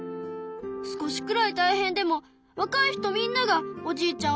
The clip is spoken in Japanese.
少しくらいたいへんでもわかい人みんながおじいちゃん